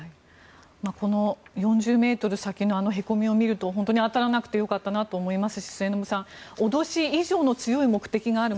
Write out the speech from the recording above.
この４０ｍ先のへこみを見ると本当に当たらなくてよかったなと思いますし末延さん脅し以上の強い目的がある。